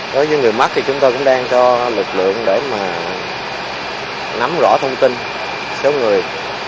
đối với người mắc thì chúng tôi cũng đang cho lực lượng để mà nắm rõ thông tin số người